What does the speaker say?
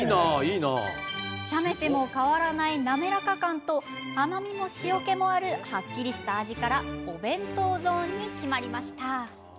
冷めても変わらない滑らか感と甘みも塩けもあるはっきりした味からお弁当ゾーンに決まりました。